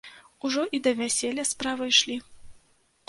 Ужо і да вяселля справы ішлі.